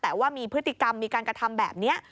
แต่ว่ามีพฤติกรรมมีการกระทำแบบนี้